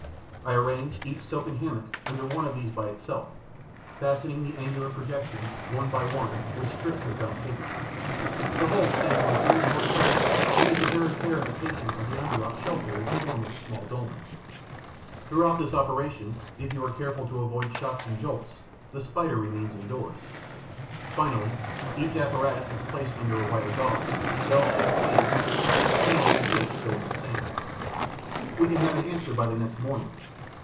I arrange each silken hammock under one of these by itself, fastening the angular projections, one by one, with strips of gummed paper. The whole stands on three short pillars and gives a very fair imitation of the underrock shelter in the form of a small dolmen. Throughout this operation, if you are careful to avoid shocks and jolts, the Spider remains indoors. Finally, each apparatus is placed under a wire gauze, bell shaped cage, which stands in a dish filled with sand. We can have an answer by the next morning.